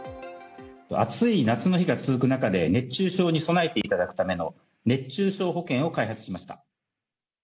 暑い夏の日が続く中で、熱中症に備えていただくための熱中症保険を開発しました。